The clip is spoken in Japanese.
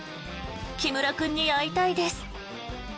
木村君に会いたいです。